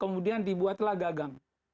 kemudian dibuatlah gagang